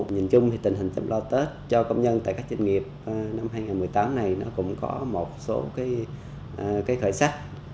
nhìn chung thì tình hình chăm lo tết cho công nhân tại các doanh nghiệp năm hai nghìn một mươi tám này cũng có một số khởi sắc